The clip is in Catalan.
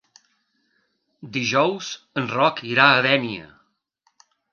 Dijous en Roc irà a Dénia.